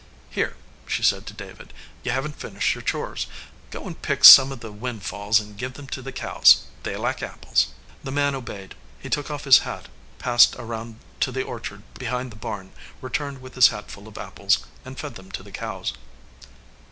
"Here," she said to David, "you haven t finished your chores. Go an pick some of the windfalls and give them to the cows. They like apples. " The man obeyed. He took off his hat, passed around to the orchard behind the barn, returned 312 "A RETREAT TO THE GOAL" with his hat full of apples, and fed them to the cows.